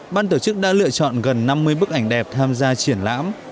ban tổ chức đã lựa chọn gần năm mươi bức ảnh đẹp tham gia triển lãm